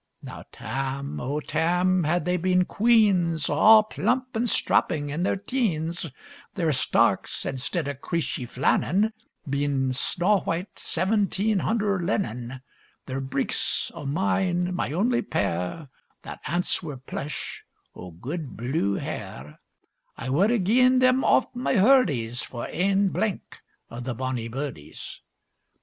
Now Tam, O Tam! had they been queans A' plump and strapping, in their teens; Their sarks, instead o' creeshie flannen, Been snaw white seventeen hunder linen, Thir breeks o' mine, my only pair, That ance were plush, o' guid blue hair, I wad hae gi'en them off my hurdies, For ane blink o' the bonnie burdies!